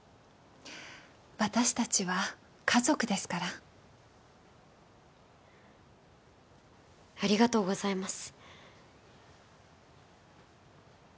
私たちは家族ですからありがとうございます